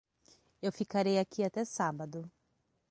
Eu ficarei aqui até sábado.